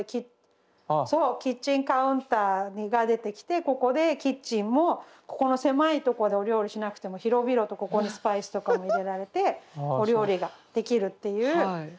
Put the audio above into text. そうキッチンカウンターが出てきてここでキッチンもここの狭いとこでお料理しなくても広々とここにスパイスとかも入れられてお料理ができるっていう。